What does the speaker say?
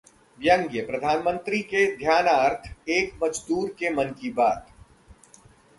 व्यंग्य: प्रधानमंत्री के ध्यानार्थ, एक मजदूर के मन की बात